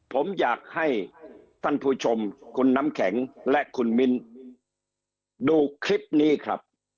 ผมอยากให้ท่านผู้ชมคุณน้ำแข็งและคุณมิ้นดูคลิปนี้ครับ